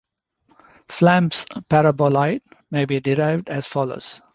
Flamm's paraboloid may be derived as follows.